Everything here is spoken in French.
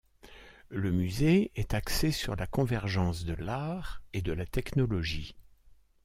Le musée est axé sur la convergence de l'art et de la technologie.